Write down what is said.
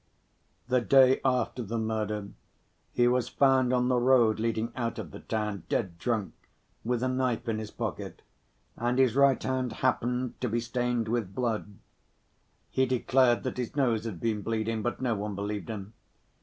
The day after the murder, he was found on the road leading out of the town, dead drunk, with a knife in his pocket, and his right hand happened to be stained with blood. He declared that his nose had been bleeding, but no one believed him.